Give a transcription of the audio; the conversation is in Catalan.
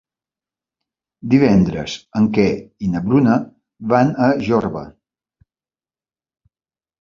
Divendres en Quer i na Bruna van a Jorba.